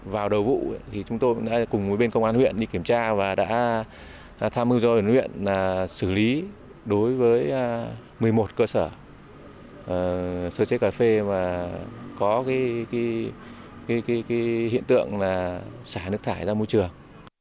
với một mươi một cơ sở sơ chế cà phê mà có cái hiện tượng là xả nước thải ra môi trường